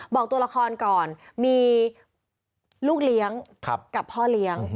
บอกตัวละครก่อนมีลูกเลี้ยงกับพ่อเลี้ยง